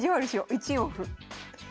１四歩。